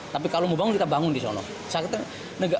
tapi kalau mau bangun kita bangun di sana